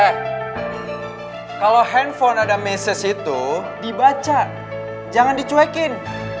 eh kalau handphone ada mesej itu dibaca jangan dicuekin